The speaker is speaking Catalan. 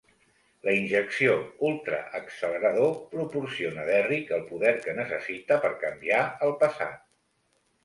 La injecció "ultraaccelerador" proporciona Derrick el poder que necessita per canviar el passat.